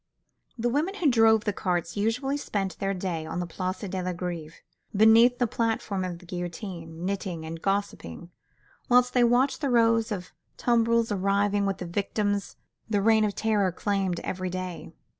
The women who drove the carts usually spent their day on the Place de la Grève, beneath the platform of the guillotine, knitting and gossiping, whilst they watched the rows of tumbrils arriving with the victims the Reign of Terror claimed every day.